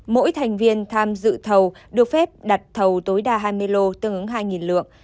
mỗi thành viên tham dự thầu được phép đặt thầu tối đa hai mươi lô tương ứng hai lượng